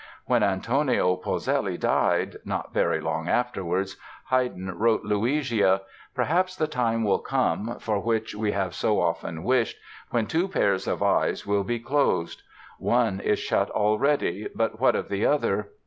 When Antonio Polzelli died, not very long afterwards, Haydn wrote Luigia: "Perhaps the time will come, for which we have so often wished when two pairs of eyes will be closed. One is shut already but what of the other?